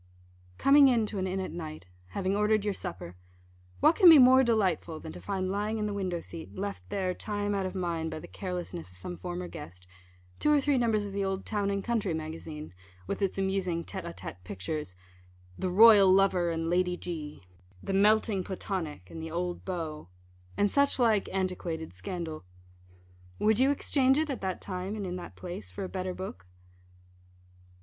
Coming in to an inn at night having ordered your supper what can be more delightful than to find lying in the window seat, left there time out of mind by the carelessness of some former guest two or three numbers of the old Town and Country Magazine, with its amusing tête à tête pictures "The Royal Lover and Lady G ;" "The Melting Platonic and the old Beau," and such like antiquated scandal? Would you exchange it at that time, and in that place for a better book?